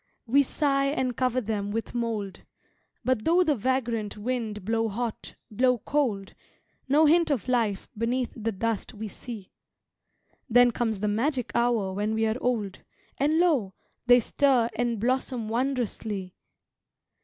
We sigh and cover them with mould, But though the vagrant wind blow hot, blow cold, No hint of life beneath the dust we see; Then comes the magic hour when we are old, And lo! they stir and blossom wondrously.